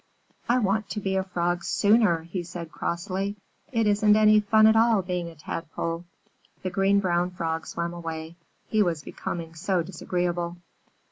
"I want to be a Frog sooner!" he said, crossly. "It isn't any fun at all being a Tadpole." The Green Brown Frog swam away, he was becoming so disagreeable.